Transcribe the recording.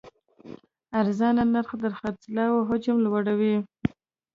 ارزانه نرخ د خرڅلاو حجم لوړوي.